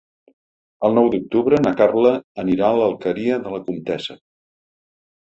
El nou d'octubre na Carla anirà a l'Alqueria de la Comtessa.